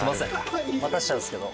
待たせちゃうんですけど。